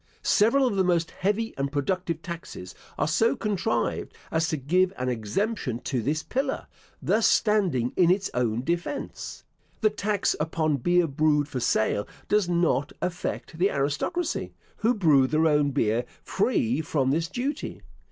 Several of the most heavy and productive taxes are so contrived, as to give an exemption to this pillar, thus standing in its own defence. The tax upon beer brewed for sale does not affect the aristocracy, who brew their own beer free from this duty.